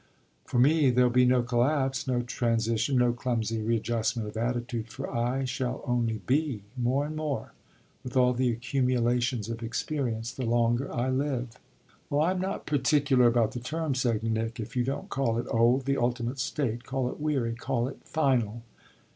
For me there'll be no collapse, no transition, no clumsy readjustment of attitude; for I shall only be, more and more, with all the accumulations of experience, the longer I live." "Oh I'm not particular about the term," said Nick. "If you don't call it old, the ultimate state, call it weary call it final.